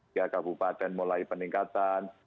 tiga kabupaten mulai peningkatan